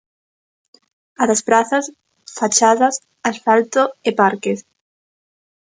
A das prazas, fachadas, asfalto e parques.